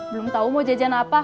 belum tahu mau jajan apa